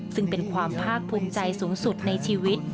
ซึ่งเป็นความภาคภูมิใจสูงสุดในชีวิต